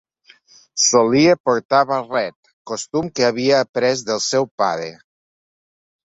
Solia portar barret, costum que havia après del seu pare.